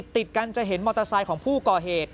ติดกันจะเห็นมอเตอร์ไซค์ของผู้ก่อเหตุ